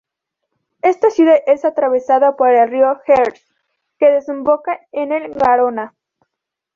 Esta ciudad es atravesada por el río Gers, que desemboca en el Garona.